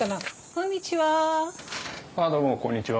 こんにちは。